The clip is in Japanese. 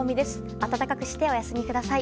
暖かくしてお休みください。